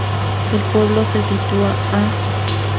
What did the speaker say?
El pueblo se sitúa a